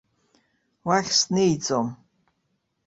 Уахь снеиӡом.